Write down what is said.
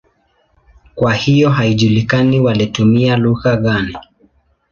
Kwa hiyo haijulikani walitumia lugha gani.